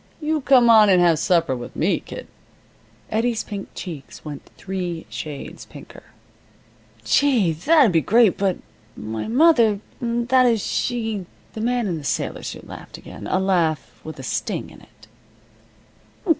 "You come on and have supper with me, kid." Eddie's pink cheeks went three shades pinker. "Gee! That'd be great. But my mother that is she " The man in the sailor suit laughed again a laugh with a sting in it.